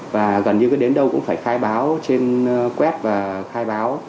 và gần như đến đâu cũng phải khai báo trên quét và khai báo